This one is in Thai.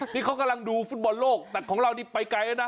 นี่เขากำลังดูฟุตบอลโลกแต่ของเรานี่ไปไกลแล้วนะ